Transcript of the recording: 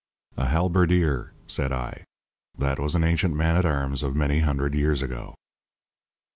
"A halberdier," said I. "That was an ancient man at arms of many hundred years ago."